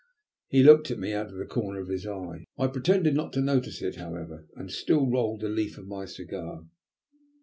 He looked at me out of the corner of his eye. I pretended not to notice it, however, and still rolled the leaf of my cigar.